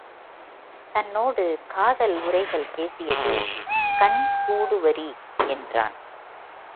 தன்னோடு காதல் உரைகள் பேசியது கண் கூடுவரி என்றான்.